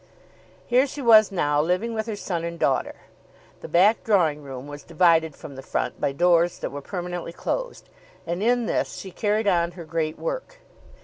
Here she was now living with her son and daughter. The back drawing room was divided from the front by doors that were permanently closed, and in this she carried on her great work.